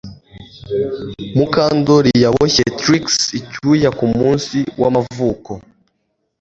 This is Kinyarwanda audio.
Mukandoli yaboshye Trix icyuya kumunsi wamavuko